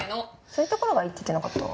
そういうところがいいって言ってなかった？